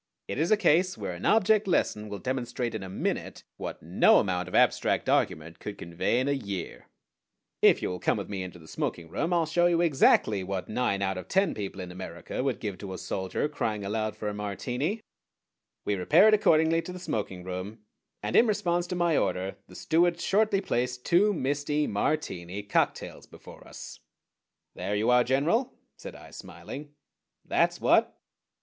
It is a case where an object lesson will demonstrate in a minute what no amount of abstract argument could convey in a year. If you will come with me into the smoking room, I'll show you exactly what nine out of ten people in America would give to a soldier crying aloud for a Martini." [Illustration: "But what was the point of this little joke last night?"] We repaired accordingly to the smoking room, and in response to my order the steward shortly placed two misty Martini cocktails before us. "There you are, General," said I, smiling, "that's what!"